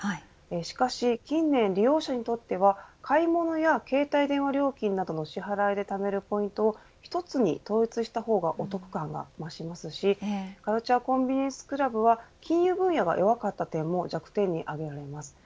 しかし近年、利用者にとっては買い物や携帯電話料金などの支払いで貯めるポイントを１つに統一した方がお得感が増しますしカルチュア・コンビニエンス・クラブは金融分野が弱かった点も弱点に挙げられます。